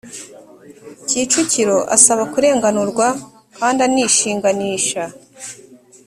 kicukiro asaba kurenganurwa kandi anishinganisha